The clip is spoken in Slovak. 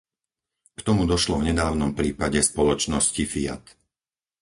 K tomu došlo v nedávnom prípade spoločnosti Fiat.